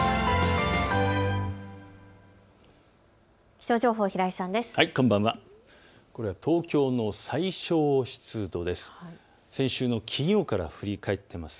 気象情報、平井さんです。